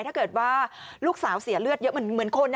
ถ้าเกิดว่าลูกสาวเสียเลือดเยอะเหมือนคน